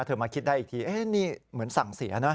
มาคิดได้อีกทีนี่เหมือนสั่งเสียนะ